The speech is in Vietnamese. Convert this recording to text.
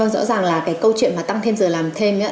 vâng rõ ràng là cái câu chuyện mà tăng thêm giờ làm thêm á